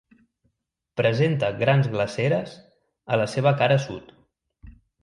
Presenta grans glaceres a la seva cara sud.